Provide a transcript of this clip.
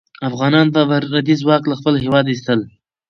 افغانان به پردی ځواک له خپل هېواد ایستله.